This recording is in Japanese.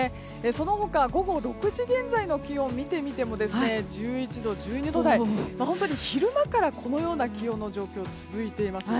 その他午後６時現在の気温を見てみても１１度、１２度台本当に昼間からこのような気温の状況が続いています。